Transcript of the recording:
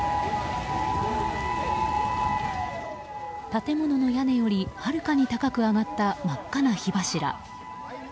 建物の屋根よりはるかに高く上がった真っ赤な火柱。